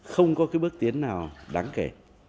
không có cái bước tiến nào đáng kể